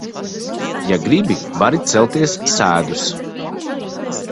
Ja gribi, vari celties sēdus.